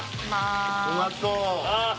うまそう。